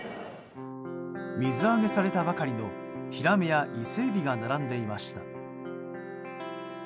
水揚げされたばかりのヒラメやイセエビが並んでいました。